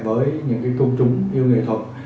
với những công chúng yêu nghệ thuật